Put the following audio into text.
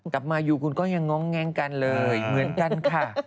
กลับมาอยู่คุณก็ยังง้องแง้งกันเลยเหมือนกันค่ะ